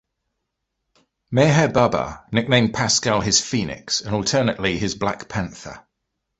Meher Baba nicknamed Pascal his "Phoenix" and alternately his "Black Panther.